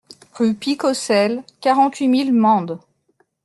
Rue Picaucel, quarante-huit mille Mende